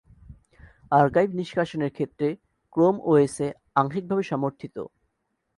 Archive নিষ্কাশনের ক্ষেত্রে Chrome OS এ আংশিকভাবে সমর্থিত।